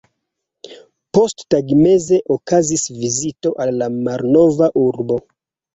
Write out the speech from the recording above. Posttagmeze okazis vizito al la malnova urbo.